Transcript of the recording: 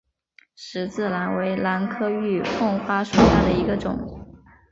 十字兰为兰科玉凤花属下的一个种。